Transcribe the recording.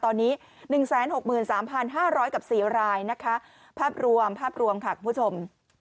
ตอนนี้๑๖๓๕๐๐กับ๔รายนะคะภาพรวมภาพรวมค่ะคุณผู้ชม